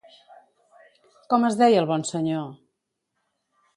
Com es deia el bon senyor?